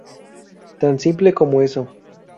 Tan simple como eso.